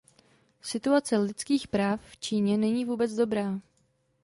Situace lidských práv v Číně není vůbec dobrá.